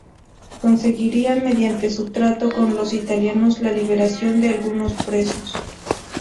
Conseguiría mediante su trato con los italianos la liberación de algunos presos.